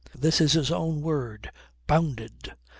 This is his own word. Bounded!